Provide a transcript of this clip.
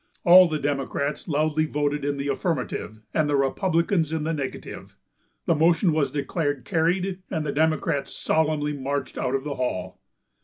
All the Democrats loudly voted in the affirmative and the Republicans in the negative. The motion was declared carried, and the Democrats solemnly marched out of the hall.